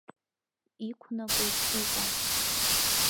Иқәнагоз ыҟан.